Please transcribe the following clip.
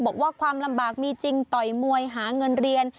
บอกว่าความลำบากมีจริงต่อยมวยหาเงินเรียน